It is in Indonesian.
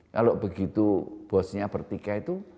kalau begitu bosnya bertikai itu